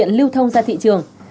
điều kiện lưu thông ra thị trường